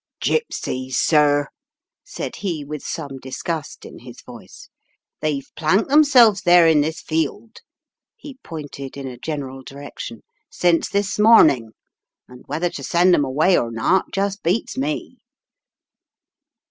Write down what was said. " Gypsies, sir," said he with some disgust in his voice, "they've planked themselves there in this field," he pointed in a general direction, "since this morning and whether to send 'em away or not just beats me."